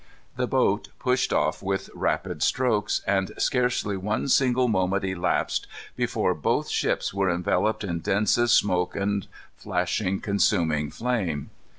The boat pushed off with rapid strokes, and scarcely one single moment elapsed before both ships were enveloped in densest smoke and flashing, consuming flame.